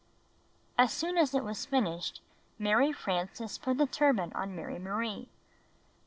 As soon as it was finished, Mary Frances put the turban on Mary Marie.